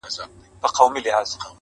ستا موسکي موسکي نظر کي ,